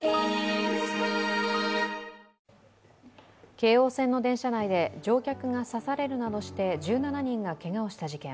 京王線の電車内で乗客が刺されるなどして１７人がけがをした事件。